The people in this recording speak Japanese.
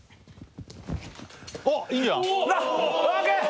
あっいいんじゃない？